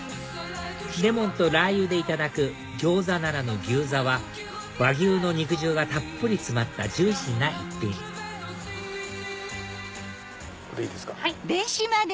レモンとラー油でいただくギョーザならぬぎゅうざは和牛の肉汁がたっぷり詰まったジューシーな一品いいですか。